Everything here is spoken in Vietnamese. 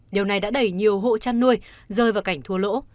điều này đã đẩy nhiều hộ chăn nuôi rơi vào cảnh thua lỗ